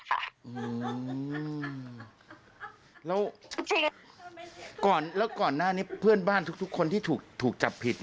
อืมแล้วก่อนหน้านี้เพื่อนบ้านทุกคนที่ถูกจับผิด